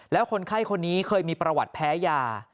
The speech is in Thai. แล้วคนไข้คนนี้เคยมีประวัติแพ้ยา